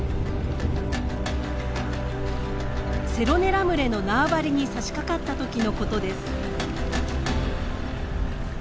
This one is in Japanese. セロネラ群れの縄張りにさしかかった時のことです。